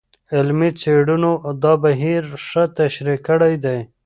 علمي څېړنو دا بهیر ښه تشریح کړی دی.